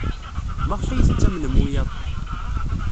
Maɣef ay tettamnem wiyaḍ?